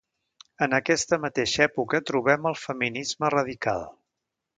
En aquesta mateixa època, trobem el feminisme radical.